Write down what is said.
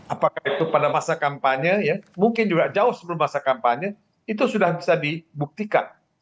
apakah itu pada masa kampanye mungkin juga jauh sebelum masa kampanye itu sudah bisa dibuktikan